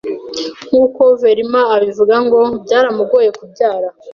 Nk’uko Verma abivuga, ngo byaramugoye kubyara